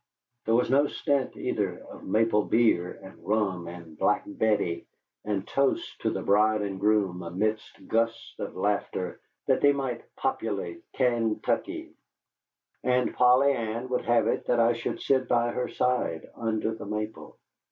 There was no stint, either, of maple beer and rum and "Black Betty," and toasts to the bride and groom amidst gusts of laughter "that they might populate Kaintuckee." And Polly Ann would have it that I should sit by her side under the maple.